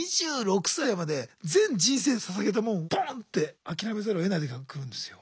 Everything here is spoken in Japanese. ２６歳まで全人生をささげたもんをポン！って諦めざるをえない時が来るんですよ。